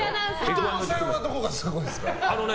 伊藤さんはどこがすごいですか？